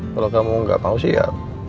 kalau kamu nggak tahu sih ya